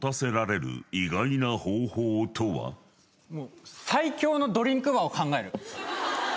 もう最強のドリンクバーを考える。